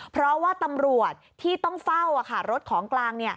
เพราะว่าตำรวจที่ต้องเฝ้ารถของกลาง